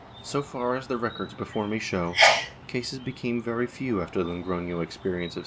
So far as the records before me show, cases became very few after the Logroiio experience of 1610.